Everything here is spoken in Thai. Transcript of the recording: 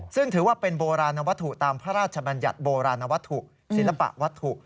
ซึ่งถือว่าเป็นโบราณวัตถุตามพระราชบัญญัติโบราณวัตถุศิลปะวัตถุ